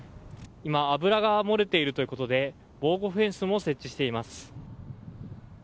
今、油が漏れているということで防護フェンスも設置しています。